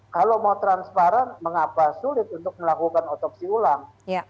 kalau mau transparan mengapa sulit untuk melakukan otopsi ulang